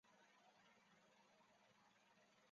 短萼紫锤草为桔梗科铜锤玉带属下的一个种。